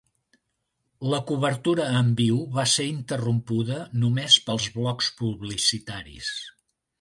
La cobertura en viu va ser interrompuda només pels blocs publicitaris.